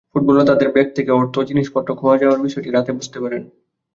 ফুটবলাররা তাদের ব্যাগ থেকে অর্থ ও জিনিসপত্র খোয়া যাওয়ার বিষয়টি রাতে বুঝতে পারেন।